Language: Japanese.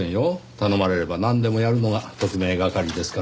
頼まれればなんでもやるのが特命係ですから。